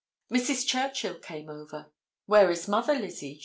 Mrs. Churchill came over. "Where is mother, Lizzie?"